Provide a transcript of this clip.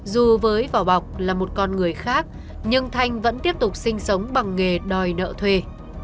dù với vỏ bọc là một con người khác nhưng thanh vẫn tiếp tục sinh sống bằng nghề đòi nợ thuê